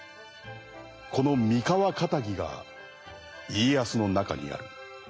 この三河かたぎが家康の中にある。